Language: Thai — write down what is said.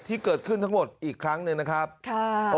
ที่เกิดขึ้นทั้งหมดอีกครั้งหนึ่งนะครับค่ะ